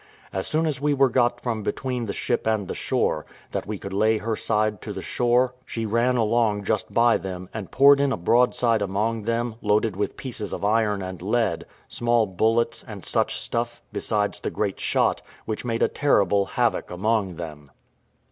As soon as we were got from between the ship and the shore, that we could lay her side to the shore, she ran along just by them, and poured in a broadside among them, loaded with pieces of iron and lead, small bullets, and such stuff, besides the great shot, which made a terrible havoc among them.